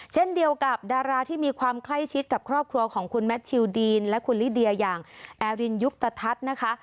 เช่นเดียวกับดาราที่มีความใกล้ชิดกับครอบครัวของคุณแมททิวดีนและคุณลิเดียอย่างแอรินยุคตะทัศน์นะคะ